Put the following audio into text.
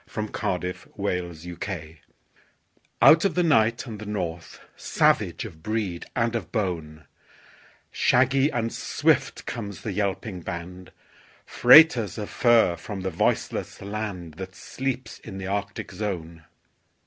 THE TRAIN DOGS Out of the night and the north; Savage of breed and of bone, Shaggy and swift comes the yelping band, Freighters of fur from the voiceless land That sleeps in the Arctic zone.